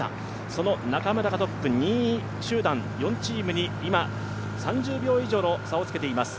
その中村が１位２位集団には今、３０秒以上の差をつけています。